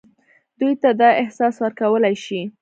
دوی ته دا احساس ورکولای شي.